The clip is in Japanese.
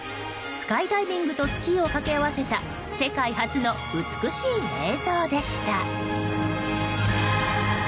スカイダイビングとスキーを掛け合わせた世界初の美しい映像でした。